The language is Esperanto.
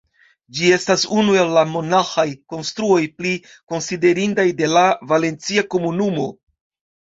Ĝi estas unu el la monaĥaj konstruoj pli konsiderindaj de la Valencia Komunumo.